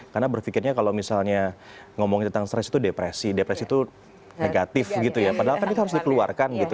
karena berpikirnya kalau misalnya ngomong tentang stres itu depresi depresi itu negatif gitu ya padahal kan itu harus dikeluarkan gitu